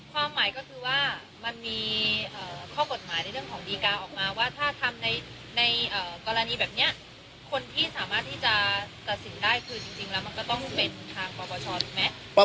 ความหมายก็คือว่ามันมีข้อกฎหมายในเรื่องของดีการ์ออกมาว่าถ้าทำในกรณีแบบนี้คนที่สามารถที่จะตัดสินได้คือจริงแล้วมันก็ต้องเป็นทางปปชถูกไหม